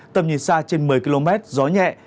tầm nhìn xa trên một mươi km gió nhẹ